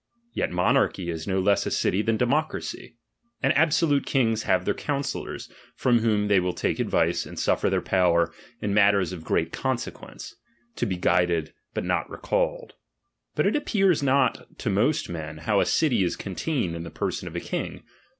Yet monarchy is no [ess a city than democraty ; and absolute kings have their counsellors, from whom they will take advice, and suffer their power, in matters of greater consequence, to be guided but not recalled. But it appears not to most men, how a city is contained in the person of a king.